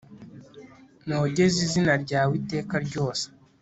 nogeze izina ryawe iteka ryose